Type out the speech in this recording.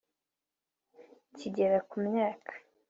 kigera ku myaka